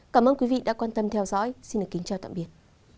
cảm ơn quý vị đã quan tâm theo dõi xin kính chào tạm biệt